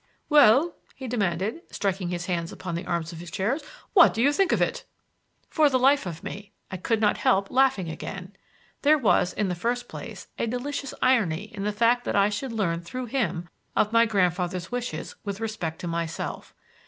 "Well," he demanded, striking his hands upon the arms of his chair, "what do you think of it?" For the life of me I could not help laughing again. There was, in the first place, a delicious irony in the fact that I should learn through him of my grandfather's wishes with respect to myself.